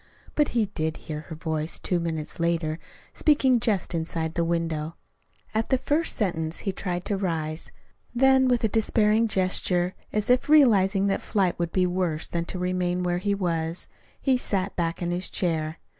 But he did hear her voice two minutes later, speaking just inside the window. At the first sentence he tried to rise, then with a despairing gesture as if realizing that flight would be worse than to remain where he was, he sat back in his chair.